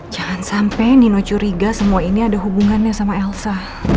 jangan sampai nino curiga semua ini ada hubungannya sama elsa